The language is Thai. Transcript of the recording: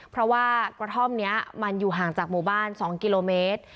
เพราะว่ากระท่อมนี้มันอยู่ห่างจากหมู่บ้าน๒กิโลเมตร